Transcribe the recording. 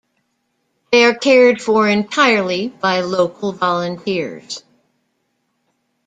They are cared for entirely by local volunteers.